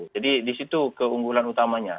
jadi di situ keunggulan utamanya